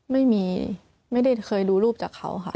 ไม่ได้เคยดูรูปจากเขาค่ะ